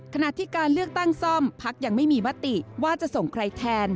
ขณะที่การเลือกตั้งซ่อมพักยังไม่มีมติว่าจะส่งใครแทน